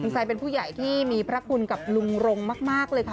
ไซด์เป็นผู้ใหญ่ที่มีพระคุณกับลุงรงมากเลยค่ะ